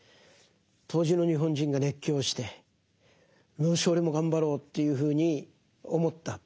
当時の日本人が熱狂してよし俺も頑張ろうというふうに思った。